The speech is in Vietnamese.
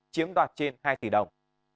chiếm đoạt trên hai tỷ đồng